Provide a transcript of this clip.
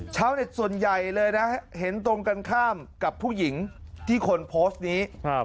ชาวเน็ตส่วนใหญ่เลยนะเห็นตรงกันข้ามกับผู้หญิงที่คนโพสต์นี้